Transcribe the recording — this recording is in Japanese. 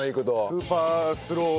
スーパースロー。